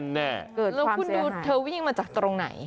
แล้วคุณดูเธอวิ่งมาจากตรงไหน